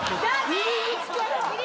入り口から！